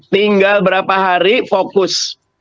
tinggal berapa hari fokus